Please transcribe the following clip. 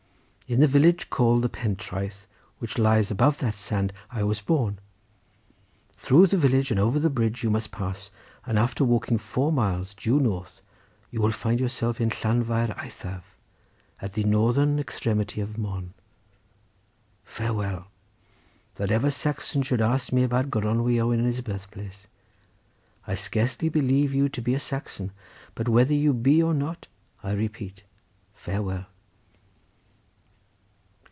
In the village called the Pentraeth which lies above the sand, I was born; through the village and over the bridge you must pass, and after walking four miles due north you will find yourself in Llanfair eithaf, at the northern extremity of Mon. Farewell! That ever Saxon should ask me about Gronwy Owen, and his birth place! I scarcely believe you to be a Saxon, but whether you be or not, I repeat farewell."